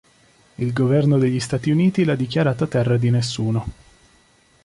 Il governo degli Stati Uniti l'ha dichiarata Terra di nessuno.